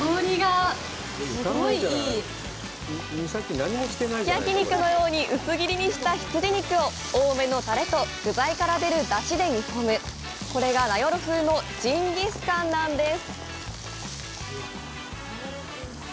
すき焼き肉のように薄切りにした羊肉を多めのタレと具材から出る出汁で煮込むこれが、名寄風のジンギスカンなんです。